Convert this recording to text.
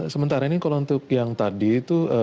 sementara ini kalau untuk yang tadi itu